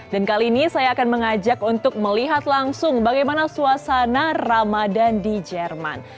dan kali ini saya akan mengajak untuk melihat langsung bagaimana suasana ramadan di jerman